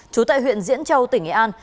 trú tại huyện diễn châu tỉnh nghệ an